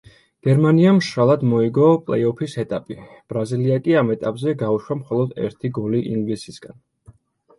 გერმანიამ მშრალად მოიგო პლეი-ოფის ეტაპი, ბრაზილია კი ამ ეტაპზე გაუშვა მხოლოდ ერთი გოლი ინგლისისგან.